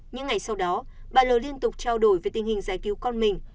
những ngày sau đó bà l liên tục trao đổi về tình hình giải cứu con mình